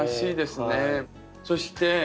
そして。